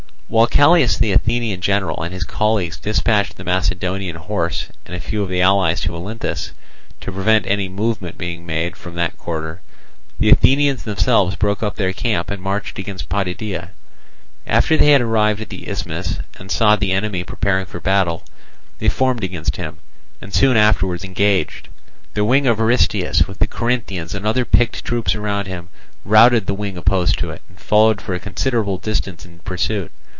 While Callias the Athenian general and his colleagues dispatched the Macedonian horse and a few of the allies to Olynthus, to prevent any movement being made from that quarter, the Athenians themselves broke up their camp and marched against Potidæa. After they had arrived at the isthmus, and saw the enemy preparing for battle, they formed against him, and soon afterwards engaged. The wing of Aristeus, with the Corinthians and other picked troops round him, routed the wing opposed to it, and followed for a considerable distance in pursuit.